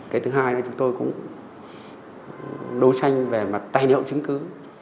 cái thứ hai là chúng tôi cũng đấu tranh về mặt tài liệu chứng cứ